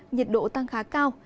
nhiệt độ tăng khá cao